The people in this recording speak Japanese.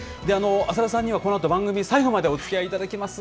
浅田さんには、このあと番組最後まで、おつきあいいただきます。